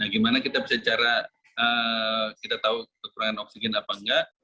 gimana kita bisa cara kita tahu kekurangan oksigen apa enggak